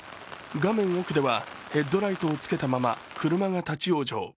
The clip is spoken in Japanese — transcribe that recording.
画面奥ではヘッドライトをつけたまま、車が立往生。